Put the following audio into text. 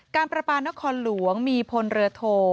ประปานครหลวงมีพลเรือโท